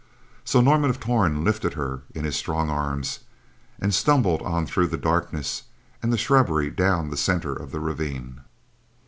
So Norman of Torn lifted her in his strong arms, and stumbled on through the darkness and the shrubbery down the center of the ravine.